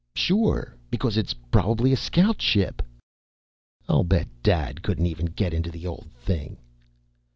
"Sure, because it's probably a scout ship." "I'll bet Dad couldn't even get into the old thing."